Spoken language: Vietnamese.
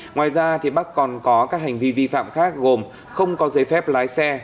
ngoài ra bắc còn có các hành vi vi phạm khác gồm không có giấy phép lái xe